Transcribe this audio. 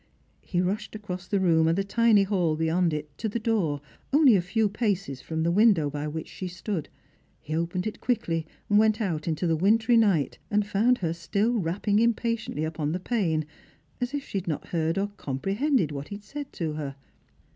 He rushed across the room, and the tiny hall beyond it, to the door, only a few paces from the window by which she Btood. He opened it quickly, went out into the wintiy night, and found her still rapping impatiently upon the pane, as if ehe had not heard or comprehended what he said to her.